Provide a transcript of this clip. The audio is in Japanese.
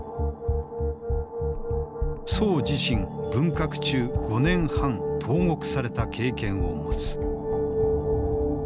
宋自身文革中５年半投獄された経験を持つ。